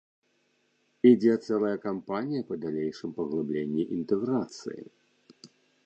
Ідзе цэлая кампанія па далейшым паглыбленні інтэграцыі.